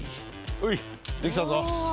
ほいできたぞ。